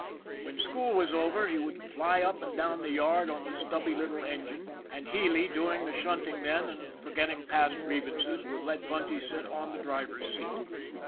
When school was over, he would fly up and down the yard on the stubby little engine, and Healy, doing the shunting then and forgetting past grievances, would let Bunty sit on the driver's seat.